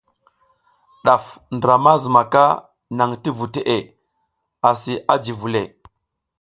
Ɗaf ndra ma zumaka naŋ ti vu teʼe asi a ji vule.